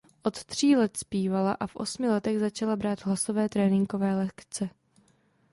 Od tří let zpívala a v osmi letech začala brát hlasové tréninkové lekce.